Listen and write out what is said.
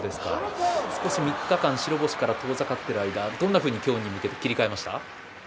少し３日間白星から遠ざかっている間どんなふうに今日に向けて切り替えましたか。